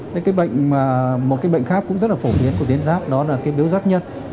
cái bệnh mà một cái bệnh khác cũng rất là phổ biến của tuyến giáp đó là cái biếu giáp nhân